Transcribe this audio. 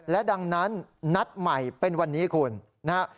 และดังนั้นนัดใหม่เป็นวันนี้คุณนะฮะ